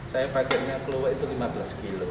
saya pakai keluaknya itu lima belas kg